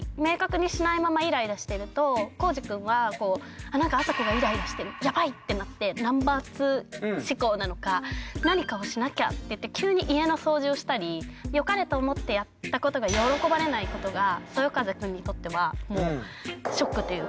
皓史くんはなんか朝紗子がイライラしてるやばいってなってナンバー２思考なのか何かをしなきゃっていって急に家の掃除をしたりよかれと思ってやったことが喜ばれないことがそよ風くんにとってはショックというか。